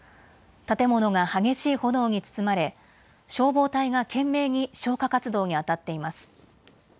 建物が激しい炎に包まれ消防隊が懸命に消火活動にあたっています。